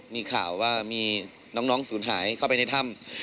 มีข่าวว่ามีน้องสูญหายเข้าไปในถ้ำ